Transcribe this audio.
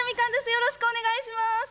よろしくお願いします。